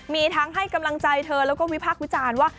มีทั้งให้กำลังใจเธอแล้วก็วิพากษ์วิจารณ์ว่า